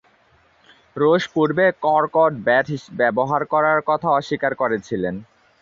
Rose পূর্বে corked bat ব্যবহার করার কথা অস্বীকার করেছিলেন।